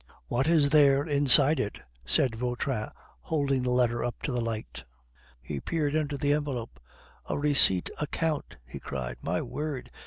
"What is there inside it?" said Vautrin, holding the letter up to the light. "A banknote? No." He peered into the envelope. "A receipted account!" he cried. "My word!